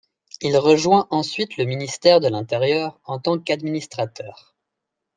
Il rejoint ensuite le ministère de l'Intérieur, en tant qu'administrateur.